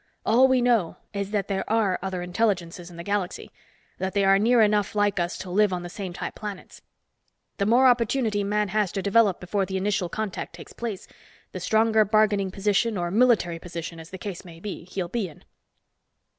All we know is that there are other intelligences in the galaxy, that they are near enough like us to live on the same type planets. The more opportunity man has to develop before the initial contact takes place, the stronger bargaining position, or military position, as the case may be, he'll be in."